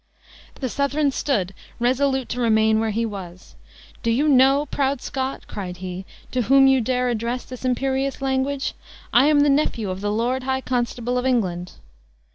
The Southron stood, resolute to remain where he was; "Do you know, proud Scot," cried he, "to whom you dare address this imperious language? I am the nephew of the lord high constable of England."